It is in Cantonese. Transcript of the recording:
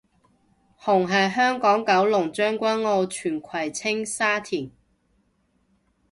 紅係香港九龍將軍澳荃葵青沙田